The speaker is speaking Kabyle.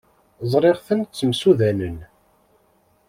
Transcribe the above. Ẓriɣ-ten ttemsudanen.